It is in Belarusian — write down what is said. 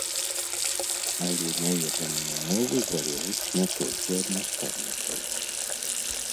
Але няведанне мовы залежыць не толькі ад настаўнікаў.